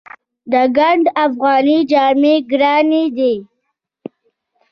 د ګنډ افغاني جامې ګرانې دي؟